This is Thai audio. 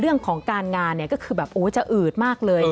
เรื่องของการงานก็คือแบบจะอืดมากเลย